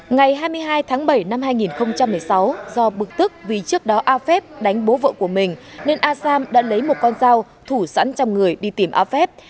ngày hai mươi hai tháng bảy năm hai nghìn một mươi sáu do bực tức vì trước đó a phép đánh bố vợ của mình nên asam đã lấy một con dao thủ sẵn trong người đi tìm a phép